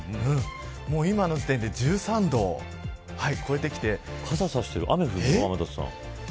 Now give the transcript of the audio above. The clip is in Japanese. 今の時点で１３度超えてきて傘差してる雨降るの、天達さん。